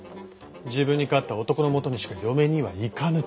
自分に勝った男のもとにしか嫁には行かぬと。